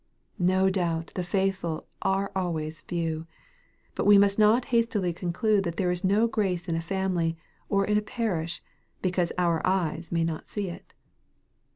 No doubt the faithful are always few. But we must not hastily conclude that there is no grace in a family or in a parish, because our eyes may not see it.